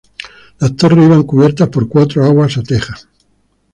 Las torres iban cubiertas por cuatro aguas a teja.